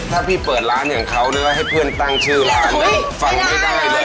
ถ้าพี่เปิดร้านอย่างเขาหรือว่าให้เพื่อนตั้งชื่อร้านฟังไม่ได้เลย